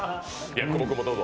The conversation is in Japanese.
久保君もどうぞ。